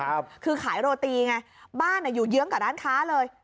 คือขายโรตีไงบ้านอ่ะอยู่เยื้องกับร้านค้าเลย